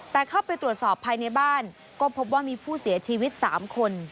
แต่เข้าไปตรวจสอบภายในบ้านก็พบว่ามีผู้เสียชีวิต๓คน